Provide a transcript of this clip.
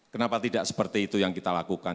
kenapa tidak seperti itu yang kita lakukan